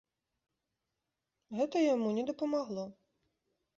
Гэта яму не дапамагло.